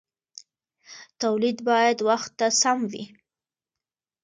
تولید باید وخت ته سم وي.